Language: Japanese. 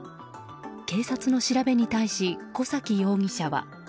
警察の調べに対し小崎容疑者は。